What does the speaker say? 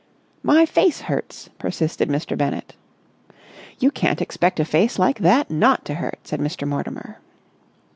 "My face hurts," persisted Mr. Bennett. "You can't expect a face like that not to hurt," said Mr. Mortimer.